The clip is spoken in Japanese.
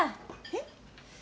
えっ？